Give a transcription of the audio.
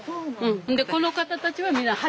でこの方たちは皆初めて。